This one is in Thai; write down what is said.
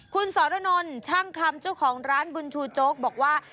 คุณสรนนท์ช่างคำเจ้าของร้านบุญชูโจ๊กบอกว่า